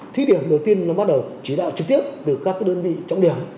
thí điểm đầu tiên là bắt đầu chỉ đạo trực tiếp từ các đơn vị trọng điểm